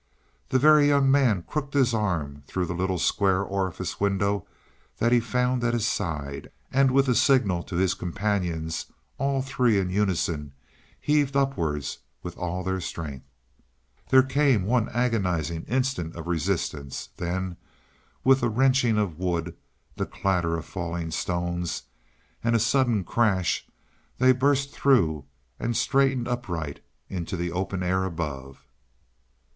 The Very Young Man crooked his arm through the little square orifice window that he found at his side, and, with a signal to his companions, all three in unison heaved upwards with all their strength. There came one agonizing instant of resistance; then with a wrenching of wood, the clatter of falling stones and a sudden crash, they burst through and straightened upright into the open air above.